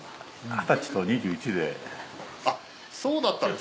２０歳と２１で。